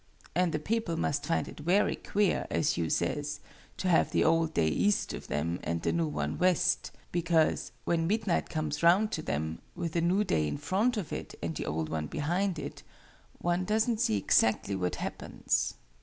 And the people must find it very queer, as Hugh says, to have the old day east of them, and the new one west: because, when midnight comes round to them, with the new day in front of it and the old one behind it, one doesn't see exactly what happens.